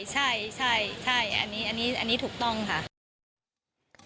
ใช่อันนี้ถูกต้องค่ะ